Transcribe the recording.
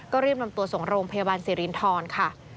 ก็รีบนำตัวส่งโรงพยาบาลสิรินทรค่ะ